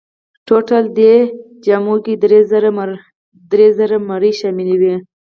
ټولټال دې جامو کې درې زره مرۍ شاملې وې.